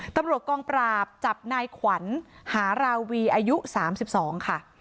ตำรวจกองปราบจับนายขวัญหาราวีอายุ๓๒ค่ะ